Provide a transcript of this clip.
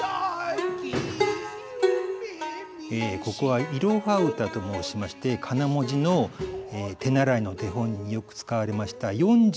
ここは「いろは歌」と申しましてかな文字の手習いの手本によく使われました